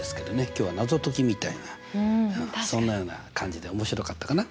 今日は謎解きみたいなそんなような感じで面白かったかな？